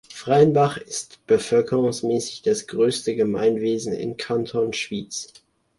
Freienbach ist bevölkerungsmässig das grösste Gemeinwesen im Kanton Schwyz.